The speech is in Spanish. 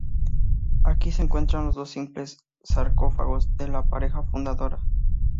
Aquí se encuentran los dos simples sarcófagos de la pareja fundadora.